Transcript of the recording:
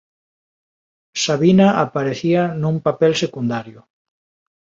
Sabina aparecía nun papel secundario.